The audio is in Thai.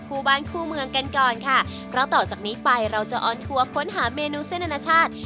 คู่บ้านคู่เมืองกันก่อนค่ะเพราะต่อจากนี้ไปเราจะออนทัวร์ค้นหาเมนูเส้นอนาชาติ